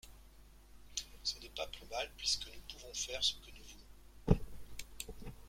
Ce n'est pas plus mal, puisque nous pouvons faire ce que nous voulons.